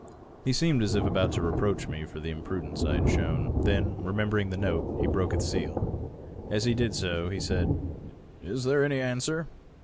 He seemed as if about to reproach me for the imprudence I had shown ; then, remembering the note, he broke its seal. As he did so he said, " Is there any answer?"